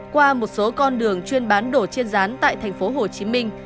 qua một số con đường chuyên bán đổ chiên rán tại thành phố hồ chí minh